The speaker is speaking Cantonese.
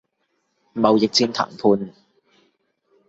貿易戰談判